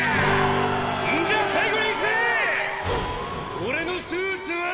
俺のスーツは？？